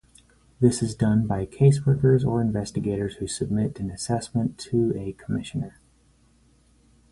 This is done by caseworkers or investigators who submit an assessment to a Commissioner.